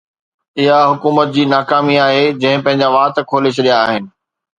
اِها حڪومت جي ناڪامي آهي، جنهن پنهنجا وات کولي ڇڏيا آهن